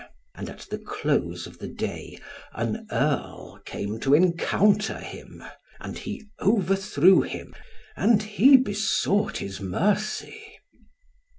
And at the close of the day, an earl came to encounter him, and he overthrew him, and he besought his mercy.